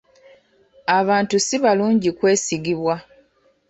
Abantu si balungi kwesigibwa.